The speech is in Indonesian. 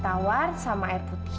uwkes w angekasig ulis dunia